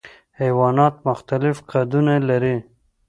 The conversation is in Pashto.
حیوانات مختلف قدونه لري.